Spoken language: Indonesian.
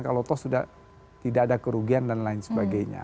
kalau toh sudah tidak ada kerugian dan lain sebagainya